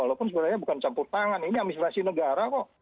walaupun sebenarnya bukan campur tangan ini administrasi negara kok